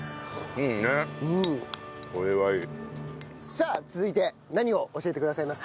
さあ続いて何を教えてくださいますか？